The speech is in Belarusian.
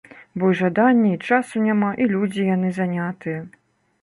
Бо і жадання, і часу няма, і людзі яны занятыя.